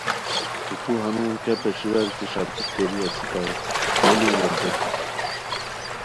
کی تو ہنون کیہ پیݰیرار کی ݰاپیک کوری اسیتاؤ ہو لوؤ مت دیت کی